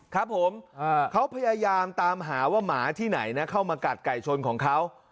ครับผมเขาพยายามตามหาว่าหมาที่ไหนนะเข้ามากัดไก่ชนของเขา